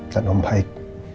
dan om baik